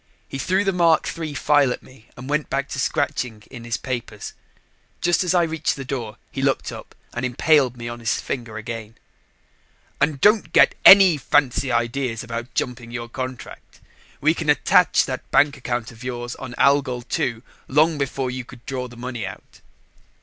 He threw the Mark III file at me and went back to scratching in his papers. Just as I reached the door, he looked up and impaled me on his finger again. "And don't get any fancy ideas about jumping your contract. We can attach that bank account of yours on Algol II long before you could draw the money out."